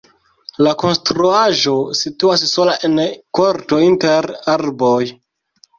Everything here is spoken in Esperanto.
La konstruaĵo situas sola en korto inter arboj.